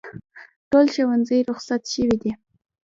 ټول ښوونځي روخصت شوي دي